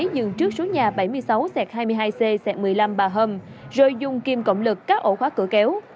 xe máy dừng trước số nhà bảy mươi sáu hai mươi hai c một mươi năm bà hâm rồi dùng kim cộng lực cắt ổ khóa cửa kéo